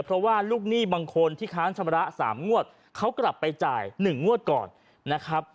เพราะว่าลูกหนี้บางคนที่ค้างชำระ๓งวดเขากลับไปจ่าย๑งวดก่อนนะครับ